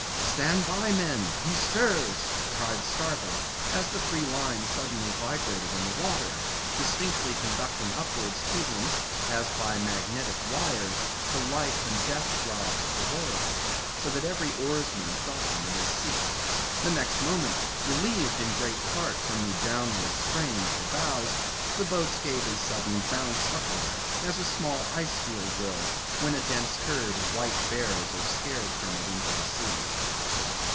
"Stand by, men; he stirs," cried Starbuck, as the three lines suddenly vibrated in the water, distinctly conducting upwards to them, as by magnetic wires, the life and death throbs of the whale, so that every oarsman felt them in his seat. The next moment, relieved in great part from the downward strain at the bows, the boats gave a sudden bounce upwards, as a small icefield will, when a dense herd of white bears are scared from it into the sea.